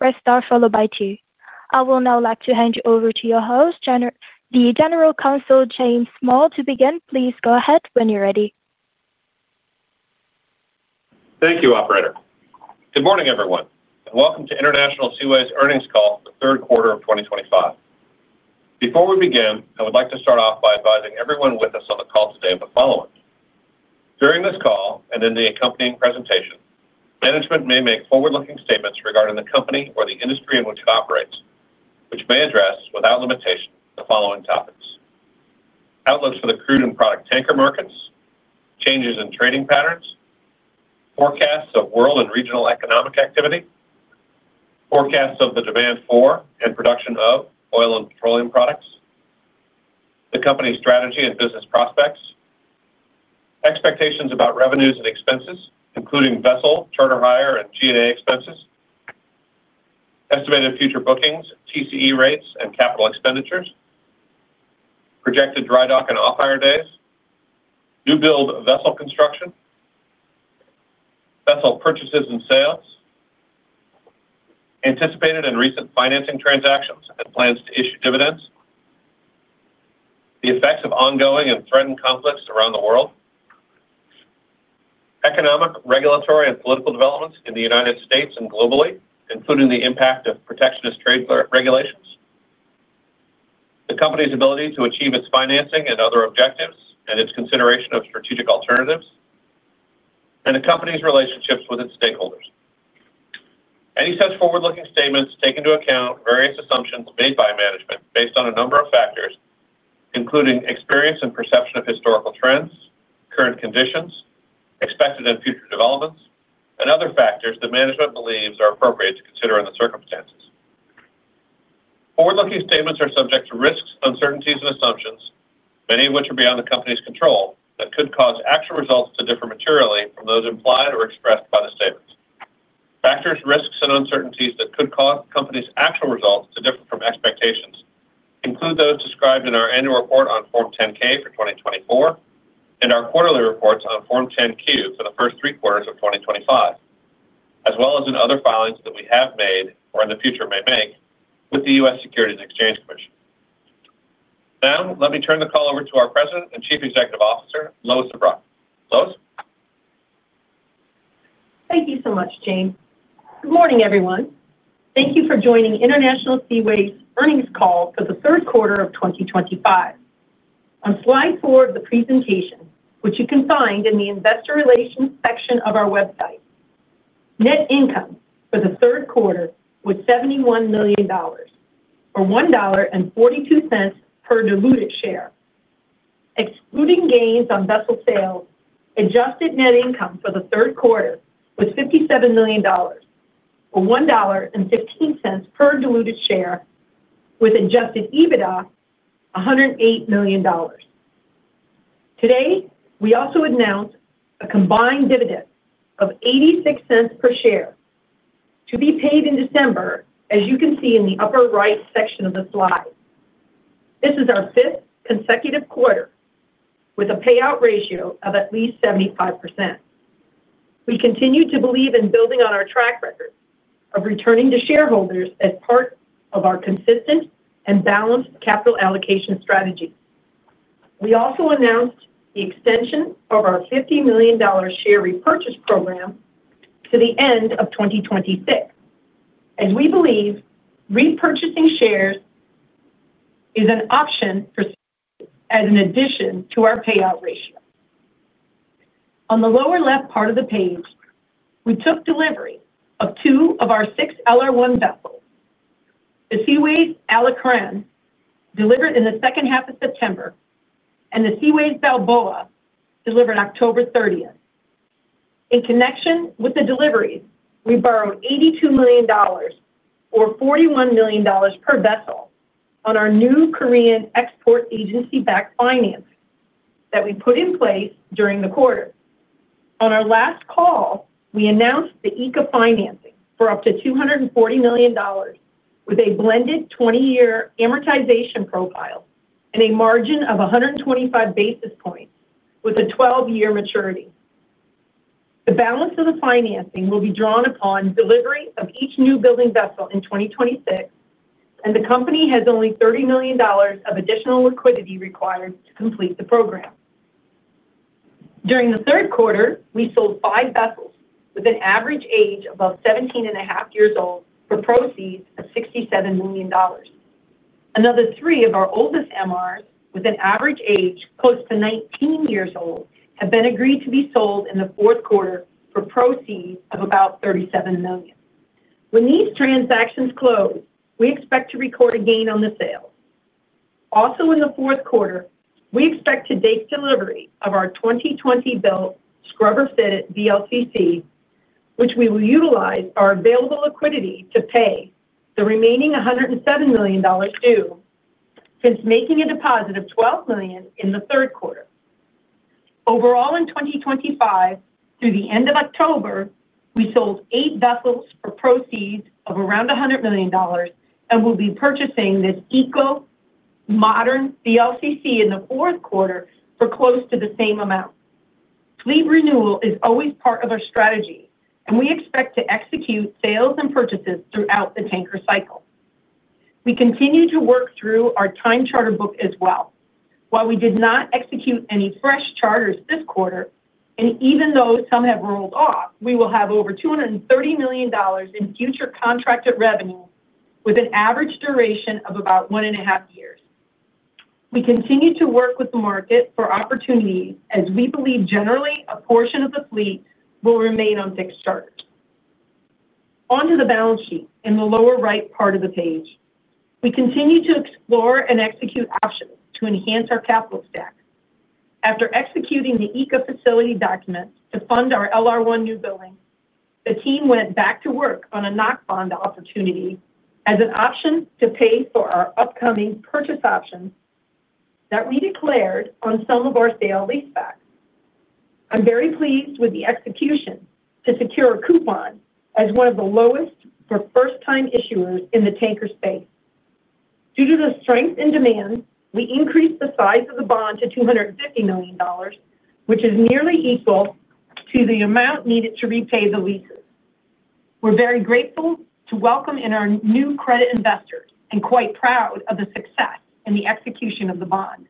First off, followed by two. I will now like to hand you over to your host, the General Counsel James Small, to begin. Please go ahead when you're ready. Thank you, Operator. Good morning, everyone, and welcome to International Seaways earnings call for the third quarter of 2025. Before we begin, I would like to start off by advising everyone with us on the call today of the following. During this call and in the accompanying presentation, management may make forward-looking statements regarding the company or the industry in which it operates, which may address, without limitation, the following topics. Outlooks for the crude and product tanker markets, changes in trading patterns. Forecasts of world and regional economic activity. Forecasts of the demand for and production of oil and petroleum products. The company's strategy and business prospects. Expectations about revenues and expenses, including vessel, charter hire, and G&A expenses. Estimated future bookings, TCE rates, and capital expenditures. Projected dry dock and off-hire days. New build vessel construction. Vessel purchases and sales. Anticipated and recent financing transactions and plans to issue dividends. The effects of ongoing and threatened conflicts around the world. Economic, regulatory, and political developments in the United States and globally, including the impact of protectionist trade regulations. The company's ability to achieve its financing and other objectives, and its consideration of strategic alternatives. The company's relationships with its stakeholders. Any such forward-looking statements take into account various assumptions made by management based on a number of factors, including experience and perception of historical trends, current conditions, expected and future developments, and other factors that management believes are appropriate to consider in the circumstances. Forward-looking statements are subject to risks, uncertainties, and assumptions, many of which are beyond the company's control that could cause actual results to differ materially from those implied or expressed by the statements. Factors, risks, and uncertainties that could cause the company's actual results to differ from expectations include those described in our annual report on Form 10-K for 2024 and our quarterly reports on Form 10-Q for the first three quarters of 2025, as well as in other filings that we have made or in the future may make with the U.S. Securities and Exchange Commission. Now, let me turn the call over to our President and Chief Executive Officer, Lois Zabrocky. Lois? Thank you so much, James. Good morning, everyone. Thank you for joining International Seaways' earnings call for the third quarter of 2025. On slide four of the presentation, which you can find in the Investor Relations section of our website. Net income for the third quarter was $71 million, or $1.42 per diluted share. Excluding gains on vessel sales, adjusted net income for the third quarter was $57 million, or $1.15 per diluted share, with adjusted EBITDA $108 million. Today, we also announced a combined dividend of $0.86 per share to be paid in December, as you can see in the upper right section of the slide. This is our fifth consecutive quarter with a payout ratio of at least 75%. We continue to believe in building on our track record of returning to shareholders as part of our consistent and balanced capital allocation strategy. We also announced the extension of our $50 million share repurchase program to the end of 2026. As we believe, repurchasing shares is an option for us as an addition to our payout ratio. On the lower left part of the page, we took delivery of two of our six LR1 vessels. The Seaways Alacran, delivered in the second half of September, and the Seaways Balboa, delivered October 30. In connection with the deliveries, we borrowed $82 million, or $41 million per vessel, on our new Korean export agency-backed financing that we put in place during the quarter. On our last call, we announced the ECA financing for up to $240 million, with a blended 20-year amortization profile and a margin of 125 basis points with a 12-year maturity. The balance of the financing will be drawn upon delivery of each newbuilding vessel in 2026, and the company has only $30 million of additional liquidity required to complete the program. During the third quarter, we sold five vessels with an average age above 17 and a half years old for proceeds of $67 million. Another three of our oldest MRs, with an average age close to 19 years old, have been agreed to be sold in the fourth quarter for proceeds of about $37 million. When these transactions close, we expect to record a gain on the sales. Also, in the fourth quarter, we expect to take delivery of our 2020-built scrubber fitted VLCC, which we will utilize our available liquidity to pay the remaining $107 million due, since making a deposit of $12 million in the third quarter. Overall, in 2025, through the end of October, we sold eight vessels for proceeds of around $100 million and will be purchasing this Eco-modern VLCC in the fourth quarter for close to the same amount. Fleet renewal is always part of our strategy, and we expect to execute sales and purchases throughout the tanker cycle. We continue to work through our time charter book as well. While we did not execute any fresh charters this quarter, and even though some have rolled off, we will have over $230 million in future contracted revenue with an average duration of about one and a half years. We continue to work with the market for opportunities as we believe generally a portion of the fleet will remain on fixed charters. Onto the balance sheet in the lower right part of the page, we continue to explore and execute options to enhance our capital stack. After executing the ECA facility documents to fund our LR1 newbuilding, the team went back to work on a junk bond opportunity as an option to pay for our upcoming purchase options that we declared on some of our sale-leasebacks. I'm very pleased with the execution to secure a coupon as one of the lowest for first-time issuers in the tanker space. Due to the strength in demand, we increased the size of the bond to $250 million, which is nearly equal to the amount needed to repay the leases. We're very grateful to welcome in our new credit investors and quite proud of the success in the execution of the bond.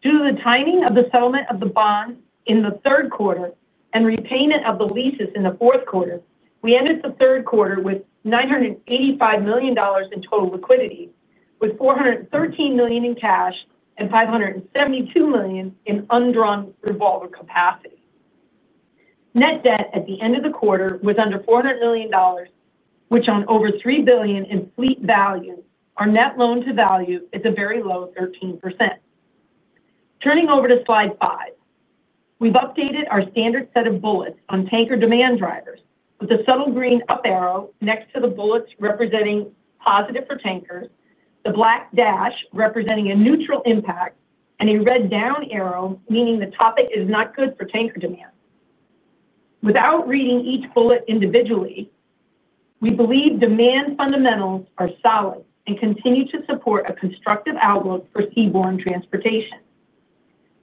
Due to the timing of the settlement of the bond in the third quarter and repayment of the leases in the fourth quarter, we ended the third quarter with $985 million in total liquidity, with $413 million in cash and $572 million in undrawn revolver capacity. Net debt at the end of the quarter was under $400 million, which on over $3 billion in fleet value, our net loan to value is a very low 13%. Turning over to slide five, we've updated our standard set of bullets on tanker demand drivers with a subtle green up arrow next to the bullets representing positive for tankers, the black dash representing a neutral impact, and a red down arrow meaning the topic is not good for tanker demand. Without reading each bullet individually, we believe demand fundamentals are solid and continue to support a constructive outlook for seaborne transportation.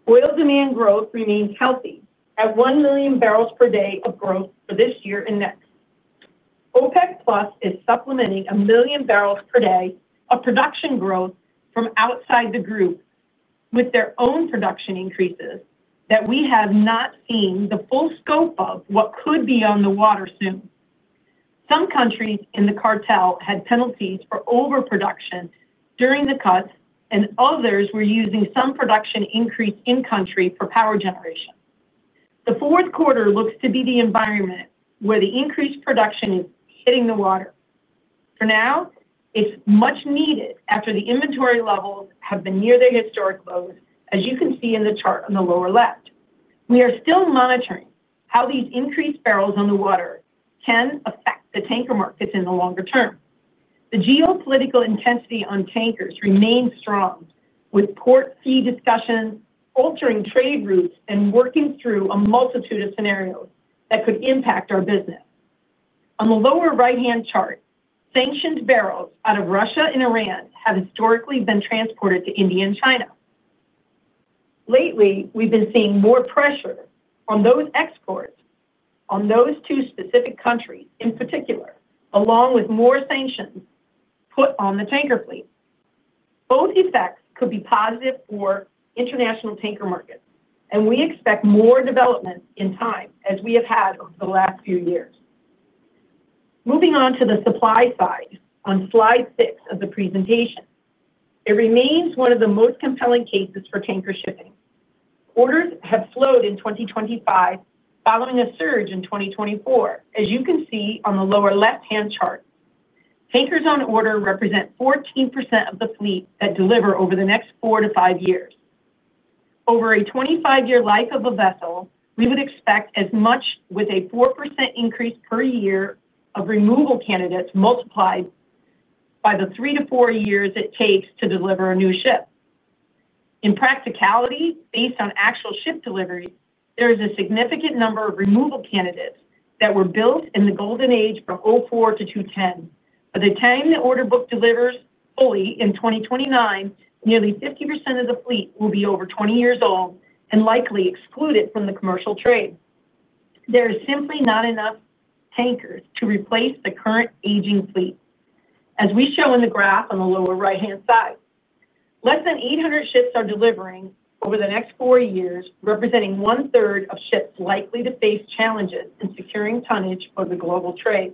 Oil demand growth remains healthy at 1 million barrels per day of growth for this year and next. OPEC+ is supplementing a million barrels per day of production growth from outside the group with their own production increases that we have not seen the full scope of what could be on the water soon. Some countries in the cartel had penalties for overproduction during the cuts, and others were using some production increase in country for power generation. The fourth quarter looks to be the environment where the increased production is hitting the water. For now, it's much needed after the inventory levels have been near their historic lows, as you can see in the chart on the lower left. We are still monitoring how these increased barrels on the water can affect the tanker markets in the longer term. The geopolitical intensity on tankers remains strong, with port fee discussions altering trade routes and working through a multitude of scenarios that could impact our business. On the lower right-hand chart, sanctioned barrels out of Russia and Iran have historically been transported to India and China. Lately, we've been seeing more pressure on those exports on those two specific countries in particular, along with more sanctions put on the tanker fleet. Both effects could be positive for international tanker markets, and we expect more development in time as we have had over the last few years. Moving on to the supply side on slide six of the presentation, it remains one of the most compelling cases for tanker shipping. Orders have flowed in 2025 following a surge in 2024, as you can see on the lower left-hand chart. Tankers on order represent 14% of the fleet that deliver over the next four to five years. Over a 25-year life of a vessel, we would expect as much with a 4% increase per year of removal candidates multiplied by the three to four years it takes to deliver a new ship. In practicality, based on actual ship deliveries, there is a significant number of removal candidates that were built in the golden age from 2004 to 2010. By the time the order book delivers fully in 2029, nearly 50% of the fleet will be over 20 years old and likely excluded from the commercial trade. There are simply not enough tankers to replace the current aging fleet, as we show in the graph on the lower right-hand side. Less than 800 ships are delivering over the next four years, representing one-third of ships likely to face challenges in securing tonnage for the global trade.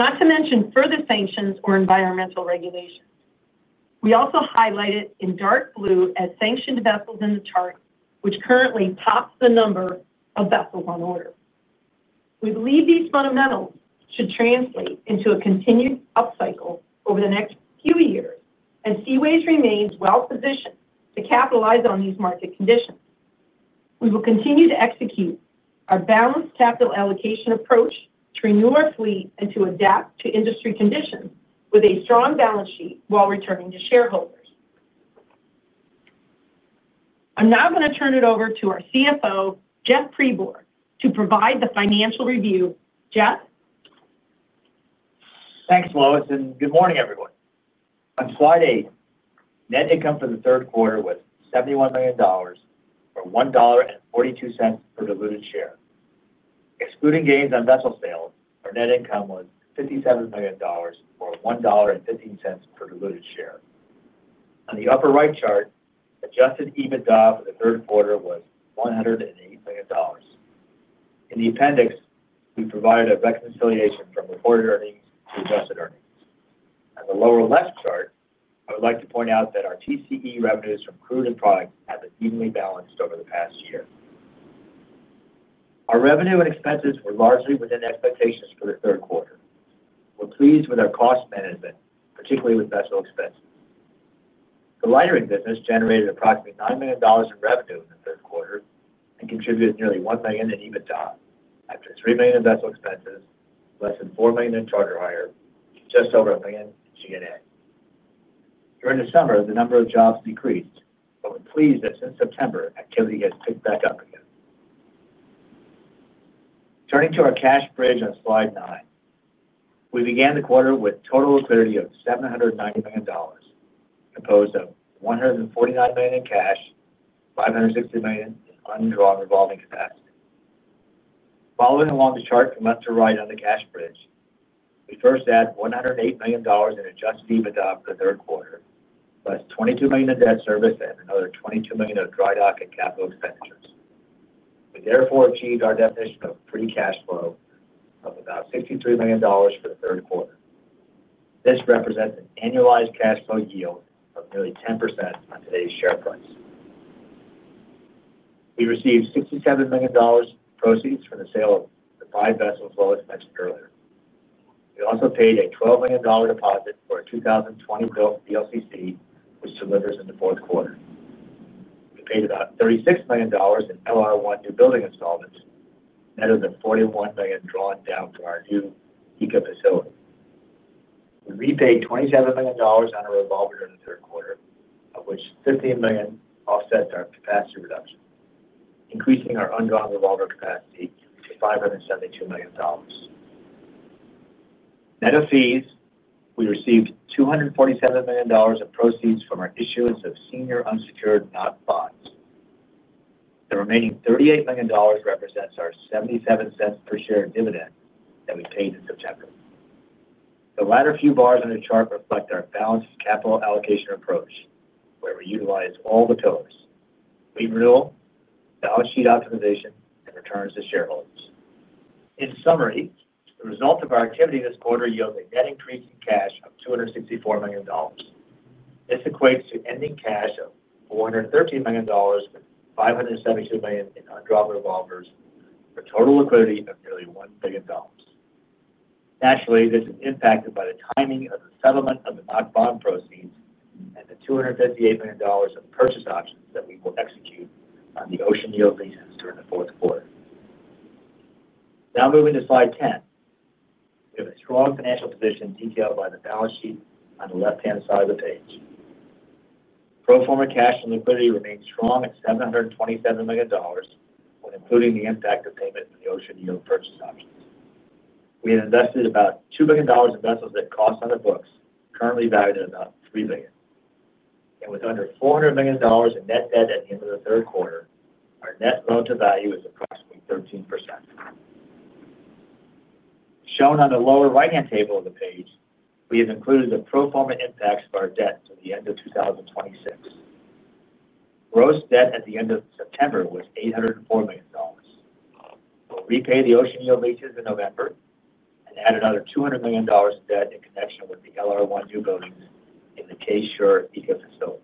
Not to mention further sanctions or environmental regulations. We also highlight it in dark blue as sanctioned vessels in the chart, which currently tops the number of vessels on order. We believe these fundamentals should translate into a continued up cycle over the next few years, and Seaways remains well positioned to capitalize on these market conditions. We will continue to execute our balanced capital allocation approach to renew our fleet and to adapt to industry conditions with a strong balance sheet while returning to shareholders. I'm now going to turn it over to our CFO, Jeff Pribor, to provide the financial review. Jeff? Thanks, Lois. Good morning, everyone. On slide eight, net income for the third quarter was $71 million, or $1.42 per diluted share. Excluding gains on vessel sales, our net income was $57 million or $1.15 per diluted share. On the upper right chart, adjusted EBITDA for the third quarter was $108 million. In the appendix, we provided a reconciliation from reported earnings to adjusted earnings. On the lower left chart, I would like to point out that our TCE revenues from crude and products have been evenly balanced over the past year. Our revenue and expenses were largely within expectations for the third quarter. We're pleased with our cost management, particularly with vessel expenses. The Lightering business generated approximately $9 million in revenue in the third quarter and contributed nearly $1 million in EBITDA after $3 million in vessel expenses, less than $4 million in charter hire, just over $1 million in G&A. During the summer, the number of jobs decreased, but we're pleased that since September, activity has picked back up again. Turning to our cash bridge on slide nine, we began the quarter with total liquidity of $790 million, composed of $149 million in cash, $560 million in undrawn revolving capacity. Following along the chart from left to right on the cash bridge, we first added $108 million in adjusted EBITDA for the third quarter, +$22 million in debt service and another $22 million of dry dock and capital expenditures. We therefore achieved our definition of free cash flow of about $63 million for the third quarter. This represents an annualized cash flow yield of nearly 10% on today's share price. We received $67 million in proceeds from the sale of the five vessels Lois mentioned earlier. We also paid a $12 million deposit for a 2020-built VLCC, which delivers in the fourth quarter. We paid about $36 million in LR1 newbuilding installments, net of the $41 million drawn down for our new ECA facility. We repaid $27 million on a revolver during the third quarter, of which $15 million offsets our capacity reduction, increasing our undrawn revolver capacity to $572 million. Net of fees, we received $247 million in proceeds from our issuance of senior unsecured junk bonds. The remaining $38 million represents our $0.77 per share dividend that we paid in September. The latter few bars on the chart reflect our balanced capital allocation approach, where we utilize all the pillars, fleet renewal, balance sheet optimization, and returns to shareholders. In summary, the result of our activity this quarter yields a net increase in cash of $264 million. This equates to ending cash of $413 million, with $572 million in undrawn revolvers, for total liquidity of nearly $1 billion. Naturally, this is impacted by the timing of the settlement of the junk bond proceeds and the $258 million in purchase options that we will execute on the Ocean Yield leases during the fourth quarter. Now moving to slide 10. We have a strong financial position detailed by the balance sheet on the left-hand side of the page. Pro forma cash and liquidity remains strong at $727 million, including the impact of payment for the Ocean Yield purchase options. We have invested about $2 million in vessels at cost on the books, currently valued at about $3 million. With under $400 million in net debt at the end of the third quarter, our net loan to value is approximately 13%. Shown on the lower right-hand table of the page, we have included the pro forma impacts for our debt to the end of 2026. Gross debt at the end of September was $804 million. We will repay the Ocean Yield leases in November and add another $200 million in debt in connection with the LR1 newbuildings in the K-SURE ECA facility.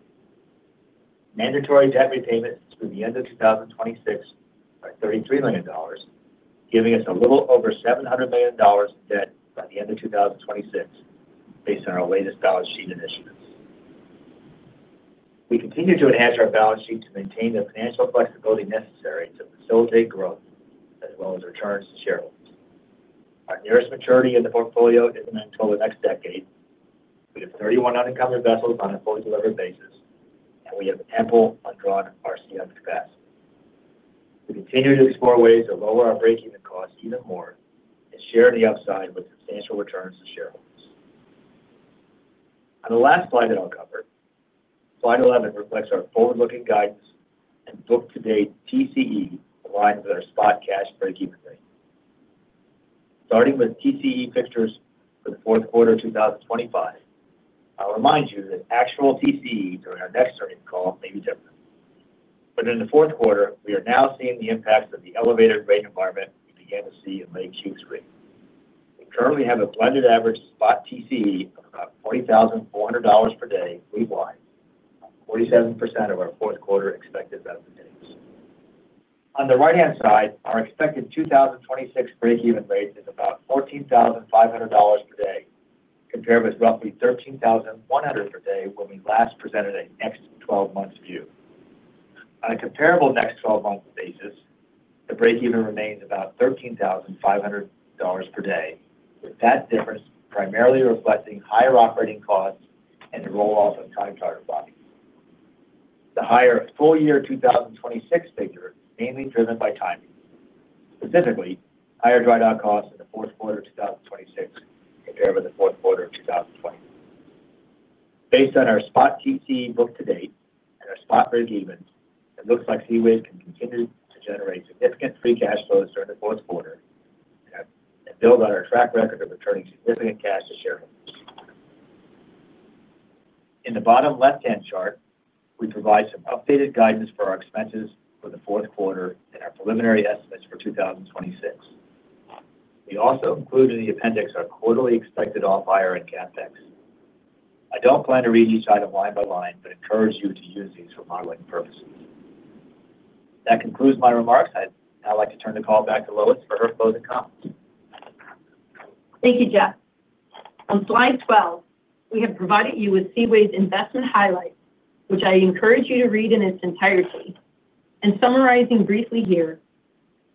Mandatory debt repayments through the end of 2026 are $33 million, giving us a little over $700 million in debt by the end of 2026, based on our latest balance sheet initiatives. We continue to enhance our balance sheet to maintain the financial flexibility necessary to facilitate growth as well as returns to shareholders. Our nearest maturity in the portfolio is not until the next decade. We have 31 unencumbered vessels on a fully delivered basis, and we have ample undrawn RCF capacity. We continue to explore ways to lower our break-even costs even more and share the upside with substantial returns to shareholders. On the last slide that I will cover, slide 11 reflects our forward-looking guidance, and book-to-date TCE aligns with our spot cash break-even rate. Starting with TCE fixtures for the fourth quarter of 2025. I will remind you that actual TCEs during our next earnings call may be different. In the fourth quarter, we are now seeing the impacts of the elevated rate environment we began to see in late Q3. We currently have a blended average spot TCE of about $40,400 per day weekwise, 47% of our fourth-quarter expected revenue dates. On the right-hand side, our expected 2026 break-even rate is about $14,500 per day, compared with roughly $13,100 per day when we last presented a next 12-month view. On a comparable next 12-month basis, the break-even remains about $13,500 per day, with that difference primarily reflecting higher operating costs and the rollout of time charter bonds. The higher full-year 2026 figure is mainly driven by timing, specifically higher dry dock costs in the fourth quarter of 2026 compared with the fourth quarter of 2020. Based on our spot TCE book-to-date and our spot break-evens, it looks like Seaways can continue to generate significant free cash flows during the fourth quarter and build on our track record of returning significant cash to shareholders. In the bottom left-hand chart, we provide some updated guidance for our expenses for the fourth quarter and our preliminary estimates for 2026. We also included in the appendix our quarterly expected off-hire and CapEx. I do not plan to read each item line by line, but encourage you to use these for modeling purposes. That concludes my remarks. I would now like to turn the call back to Lois for her closing comments. Thank you, Jeff. On slide 12, we have provided you with Seaways' investment highlights, which I encourage you to read in its entirety. In summarizing briefly here,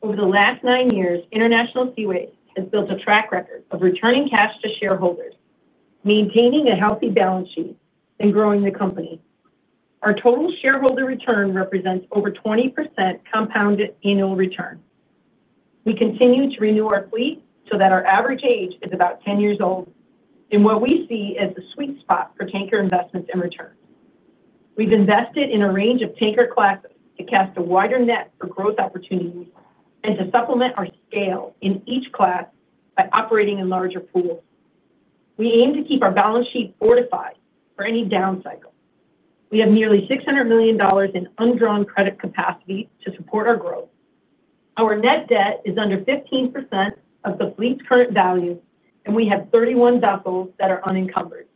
over the last nine years, International Seaways has built a track record of returning cash to shareholders, maintaining a healthy balance sheet, and growing the company. Our total shareholder return represents over 20% compounded annual return. We continue to renew our fleet so that our average age is about 10 years old in what we see as the sweet spot for tanker investments and returns. We've invested in a range of tanker classes to cast a wider net for growth opportunities and to supplement our scale in each class by operating in larger pools. We aim to keep our balance sheet fortified for any down cycle. We have nearly $600 million in undrawn credit capacity to support our growth. Our net debt is under 15% of the fleet's current value, and we have 31 vessels that are unencumbered.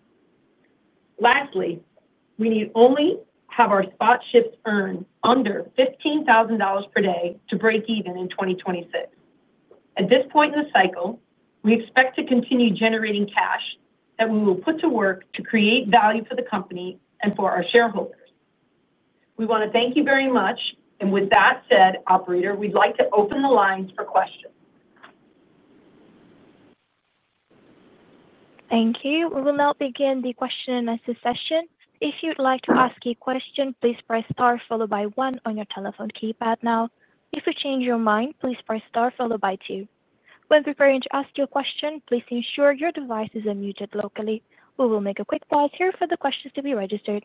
Lastly, we need only have our spot ships earn under $15,000 per day to break even in 2026. At this point in the cycle, we expect to continue generating cash that we will put to work to create value for the company and for our shareholders. We want to thank you very much. With that said, Operator, we'd like to open the lines for questions. Thank you. We will now begin the question and answer session. If you'd like to ask a question, please press star followed by one on your telephone keypad now. If you change your mind, please press star followed by two. When preparing to ask your question, please ensure your device is unmuted locally. We will make a quick pause here for the questions to be registered.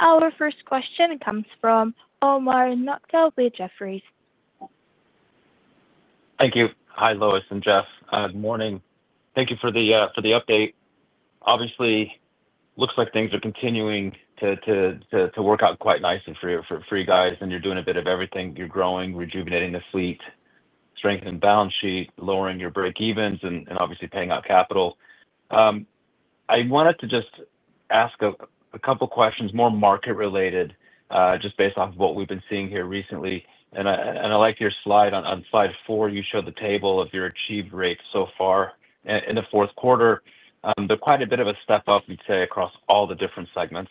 Our first question comes from Omar Nokta with Jefferies. Thank you. Hi, Lois and Jeff. Good morning. Thank you for the update. Obviously, it looks like things are continuing to work out quite nicely for you guys, and you're doing a bit of everything. You're growing, rejuvenating the fleet, strengthening the balance sheet, lowering your break-evens, and obviously paying out capital. I wanted to just ask a couple of questions, more market-related, just based off of what we've been seeing here recently. I like your slide. On slide four, you show the table of your achieved rates so far in the fourth quarter. There's quite a bit of a step up, we'd say, across all the different segments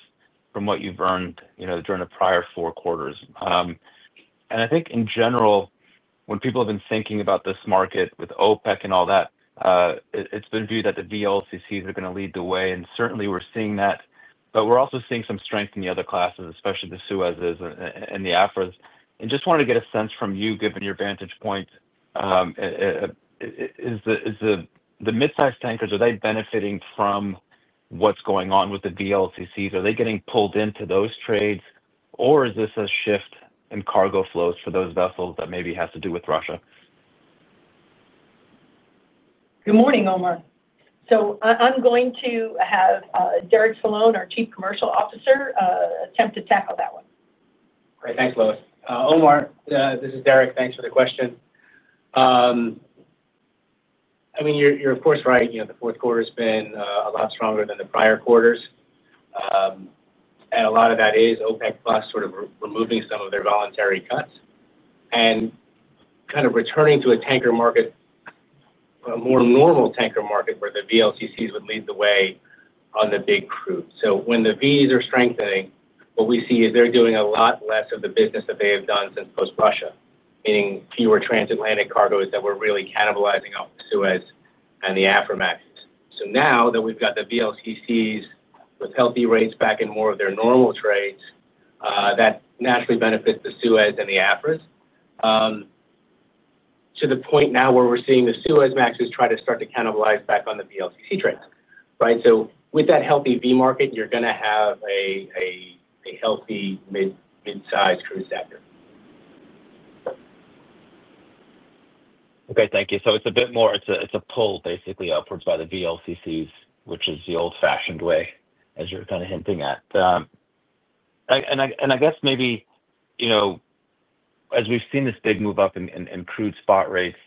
from what you've earned during the prior four quarters. I think, in general, when people have been thinking about this market with OPEC and all that. It's been viewed that the VLCCs are going to lead the way. We're seeing that. We're also seeing some strength in the other classes, especially the Suez and the Afras. I just wanted to get a sense from you, given your vantage point. Is the midsize tankers, are they benefiting from what's going on with the VLCCs? Are they getting pulled into those trades? Is this a shift in cargo flows for those vessels that maybe has to do with Russia? Good morning, Omar. I'm going to have Derek Solon, our Chief Commercial Officer, attempt to tackle that one. Great. Thanks, Lois. Omar, this is Derek. Thanks for the question. I mean, you're, of course, right. The fourth quarter has been a lot stronger than the prior quarters. A lot of that is OPEC+ sort of removing some of their voluntary cuts and kind of returning to a tanker market. A more normal tanker market where the VLCCs would lead the way on the big crude. When the Vs are strengthening, what we see is they're doing a lot less of the business that they have done since post-Russia, meaning fewer transatlantic cargoes that were really cannibalizing off the Suez and the Aframaxes. Now that we've got the VLCCs with healthy rates back in more of their normal trades, that naturally benefits the Suez and the Afras. To the point now where we're seeing the Suezmaxes try to start to cannibalize back on the VLCC trades. Right? With that healthy VLCC market, you're going to have a healthy midsize crude sector. Okay. Thank you. It is a bit more, it is a pull, basically, upwards by the VLCCs, which is the old-fashioned way, as you are kind of hinting at. I guess maybe, as we have seen this big move up in crude spot rates,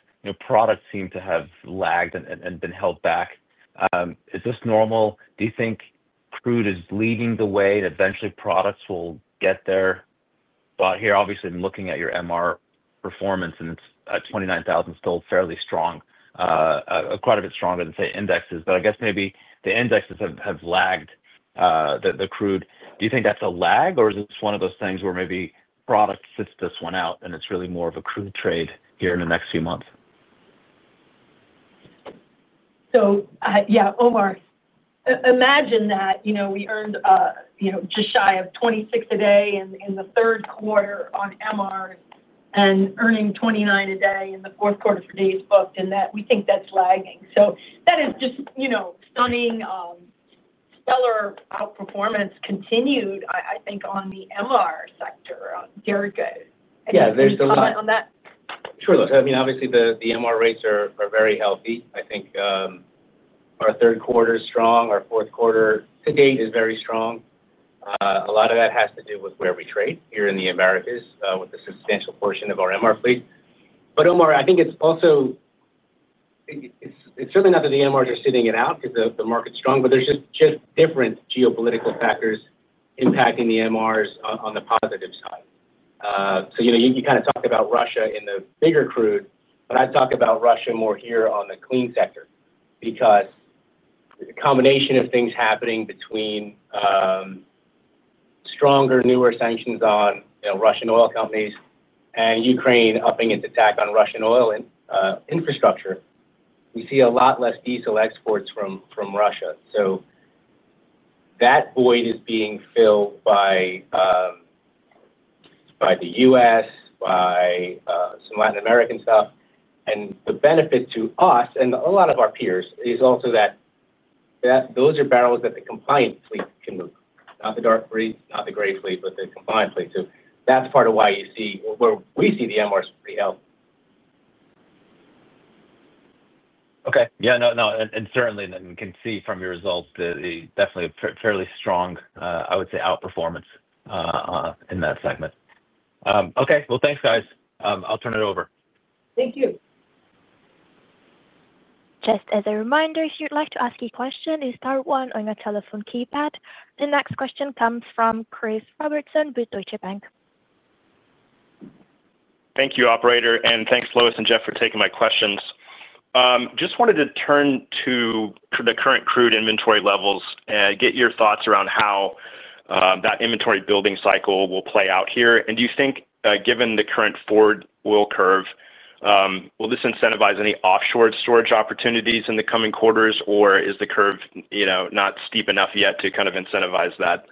products seem to have lagged and been held back. Is this normal? Do you think crude is leading the way and eventually products will get there? Here, obviously, I am looking at your MR performance, and it is $29,000, still fairly strong. Quite a bit stronger than, say, indexes. I guess maybe the indexes have lagged the crude. Do you think that is a lag, or is this one of those things where maybe product sits this one out and it is really more of a crude trade here in the next few months? Yeah, Omar, imagine that we earned just shy of $26,000 a day in the third quarter on MR and earning $29,000 a day in the fourth quarter for days booked, and that we think that's lagging. That is just stunning. Stellar outperformance continued, I think, on the MR sector. Derek, I think you can comment on that. Sure. Look, I mean, obviously, the MR rates are very healthy. I think our third quarter is strong. Our fourth quarter to date is very strong. A lot of that has to do with where we trade here in the Americas with a substantial portion of our MR fleet. Omar, I think it's also certainly not that the MRs are sitting it out because the market's strong, but there are just different geopolitical factors impacting the MRs on the positive side. You kind of talked about Russia in the bigger crude, but I'd talk about Russia more here on the clean sector because the combination of things happening between stronger, newer sanctions on Russian oil companies and Ukraine upping its attack on Russian oil and infrastructure, we see a lot less diesel exports from Russia. That void is being filled by. The U.S., by some Latin American stuff. The benefit to us and a lot of our peers is also that those are barrels that the compliant fleet can move, not the dark fleet, not the gray fleet, but the compliant fleet. That is part of why you see where we see the MRs pretty healthy. Okay. Yeah. No, no. And certainly, we can see from your results definitely a fairly strong, I would say, outperformance in that segment. Okay. Thanks, guys. I'll turn it over. Thank you. Just as a reminder, if you'd like to ask a question, please star one on your telephone keypad. The next question comes from Chris Robertson with Deutsche Bank. Thank you, Operator. Thank you, Lois and Jeff, for taking my questions. I just wanted to turn to the current crude inventory levels and get your thoughts around how that inventory building cycle will play out here. Do you think, given the current forward wheel curve, will this incentivize any offshore storage opportunities in the coming quarters, or is the curve not steep enough yet to kind of incentivize that?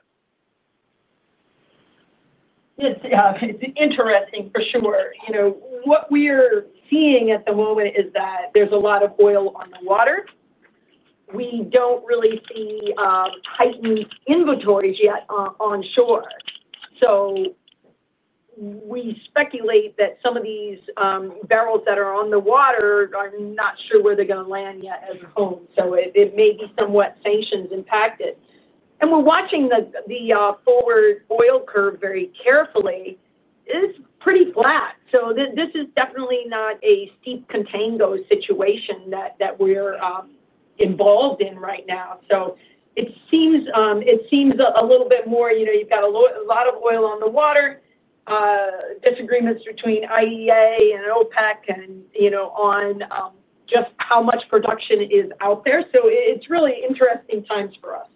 It's interesting, for sure. What we're seeing at the moment is that there's a lot of oil on the water. We don't really see heightened inventories yet onshore. We speculate that some of these barrels that are on the water are not sure where they're going to land yet as a home. It may be somewhat sanctions impacted. We're watching the forward oil curve very carefully. It's pretty flat. This is definitely not a steep container situation that we're involved in right now. It seems a little bit more you've got a lot of oil on the water. Disagreements between IEA and OPEC on just how much production is out there. It's really interesting times for us.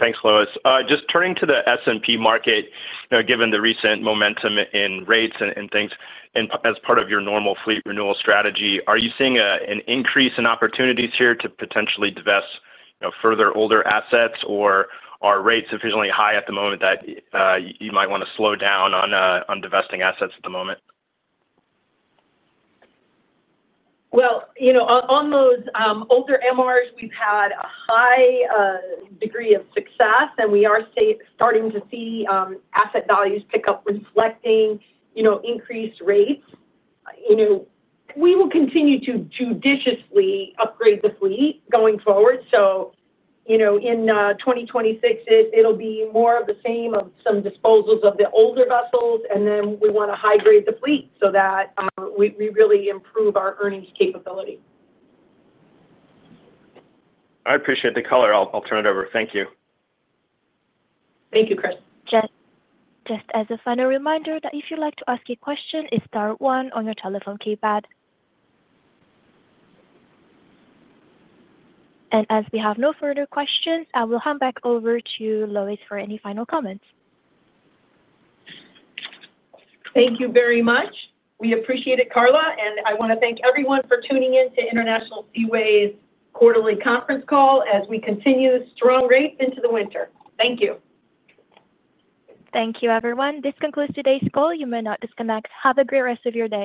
Thanks, Lois. Just turning to the S&P market, given the recent momentum in rates and things, and as part of your normal fleet renewal strategy, are you seeing an increase in opportunities here to potentially divest further older assets, or are rates sufficiently high at the moment that you might want to slow down on divesting assets at the moment? On those older MRs, we've had a high degree of success, and we are starting to see asset values pick up reflecting increased rates. We will continue to judiciously upgrade the fleet going forward. In 2026, it'll be more of the same of some disposals of the older vessels. Then we want to hydrate the fleet so that we really improve our earnings capability. I appreciate the color. I'll turn it over. Thank you. Thank you, Chris. Just as a final reminder that if you'd like to ask a question, please star one on your telephone keypad. As we have no further questions, I will hand back over to Lois for any final comments. Thank you very much. We appreciate it, Carla. I want to thank everyone for tuning in to International Seaways' quarterly conference call as we continue strong rates into the winter. Thank you. Thank you, everyone. This concludes today's call. You may now disconnect. Have a great rest of your day.